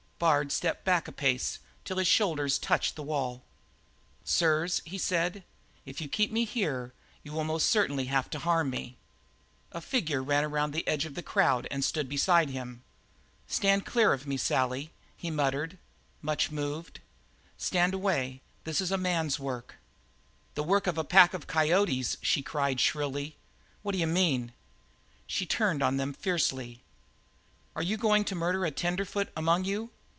Bard stepped back a pace till his shoulders touched the wall. "Sirs," he said, "if you keep me here you will most certainly have to harm me." A figure ran around the edge of the crowd and stood beside him. "Stand clear of me, Sally," he muttered, much moved. "Stand away. This is a man's work." "The work of a pack of coyotes!" she cried shrilly. "What d'ye mean?" She turned on them fiercely. "Are you goin' to murder a tenderfoot among you?